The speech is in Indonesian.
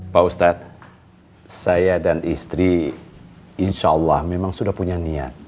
pak ustadz saya dan istri insya allah memang sudah punya niat